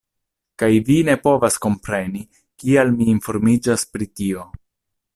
Kaj vi ne povas kompreni, kial mi informiĝas pri tio.